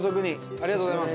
ありがとうございます。